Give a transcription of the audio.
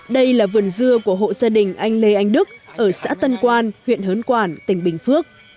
đây là vườn dưa của hộ gia đình anh lê anh đức ở xã tân quan huyện hớn quản tỉnh bình phước